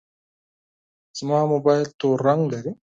زما موبایل تور رنګ لري.